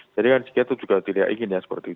jadi kan juga tidak ingin ya seperti itu